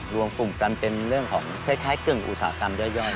รวมกลุ่มกันเป็นเรื่องของคล้ายกึ่งอุตสาหกรรมย่อย